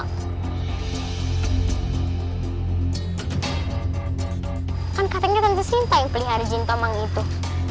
kan katanya tante sinta yang pelihara jintomang itu